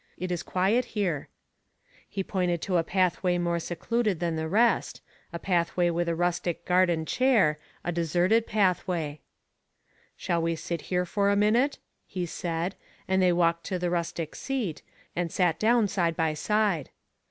" It is quiet here.*' He pointed to a pathway more secluded than the rest, a pathway with a rustic garden chair, a deserted pathway. Shall we sit here for a minute ?" he said, and they walked to the rustic seat, and sat down side by side.